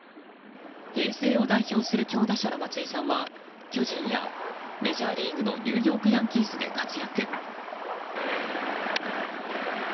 平成を代表する強打者の松井さんは巨人や、メジャーリーグのニューヨーク・ヤンキースで活躍。